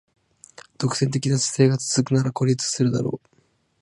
独占的な姿勢が続くなら孤立するだろう